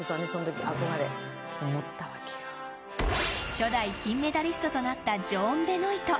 初代金メダリストとなったジョーン・ベノイト。